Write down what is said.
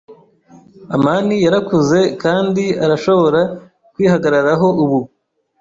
amani yarakuze kandi arashobora kwihagararaho ubu.